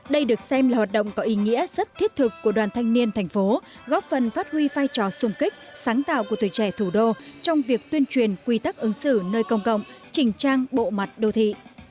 đây được xem là hoạt động có ý nghĩa rất thiết thực của đoàn thanh niên thành phố góp phần phát huy vai trò xung kích sáng tạo của tuổi trẻ thủ đô trong việc tuyên truyền quy tắc ứng xử nơi công cộng trình trang bộ mặt đô thị